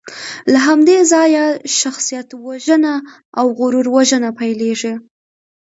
له همدې ځایه شخصیتوژنه او غرور وژنه پیلېږي.